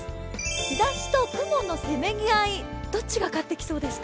日ざしと雲のせめぎ合い、どっちが勝ってきそうですか。